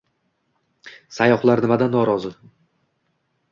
Sayyohlar nimadan norozi?